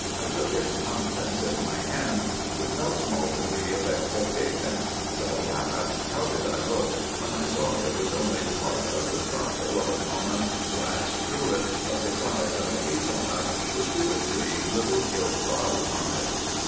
I took its contents in my hands with no small degree of expectation : but, alas ! how did I look, when I saw it was only part of the stopple of a common glass cruet, of the size of a hazel nut, with two or three little gilt flowers on it